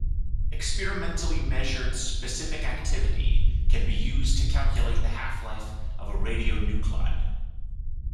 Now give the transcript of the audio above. Experimentally-measured specific activity can be used to calculate the half-life of a radionuclide.